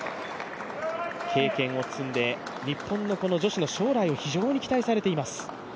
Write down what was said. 経験を積んで、日本の女子の将来も非常に期待されています。